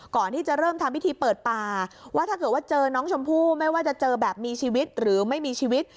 ก่อนที่จะเริ่มทำพิธีเปิดป่าว่าถ้าเกิดว่าเจอน้องชมพู่ไม่ว่าจะเจอแบบมีชีวิตหรือไม่มีชีวิต